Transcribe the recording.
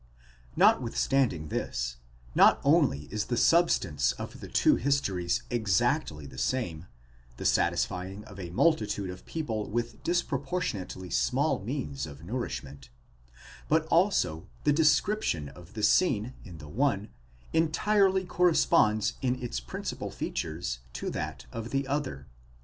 Notwithstanding this, not only is the sub stance of the two histories exactly the same—the satisfying of a multitude of people with disproportionately small means of nourishment; but also the de scription of the scene in the one, entirely corresponds in its principal features to that in the other.